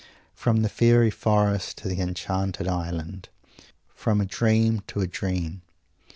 From the fairy forest to the enchanted island; from a dream to a dream.